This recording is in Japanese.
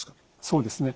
そうですね。